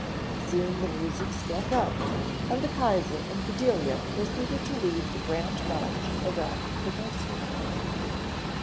Soon the music struck up and the Kaiser and Bedelia proceeded to lead the grand march around the nursery.